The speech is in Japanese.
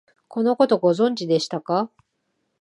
このこと、ご存知でしたか？